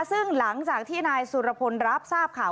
ซึ่งหลังจากที่นายสุรพลรับทราบข่าว